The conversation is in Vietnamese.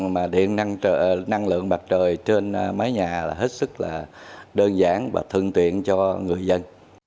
mà điện năng lượng mặt trời trên mái nhà là hết sức là đơn giản và thân tuyện cho người dân